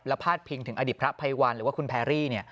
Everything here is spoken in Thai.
พาดพิงถึงอดีตพระภัยวันหรือว่าคุณแพรรี่